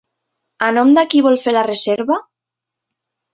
A nom de qui vol fer la reserva?